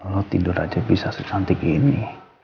mau tidur aja bisa secantik ini